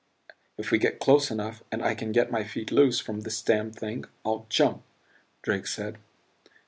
"If we get close enough and I can get my feet loose from this damned thing I'll jump," Drake said.